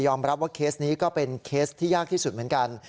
รับว่าเคสนี้ก็เป็นเคสที่ยากที่สุดเหมือนกัน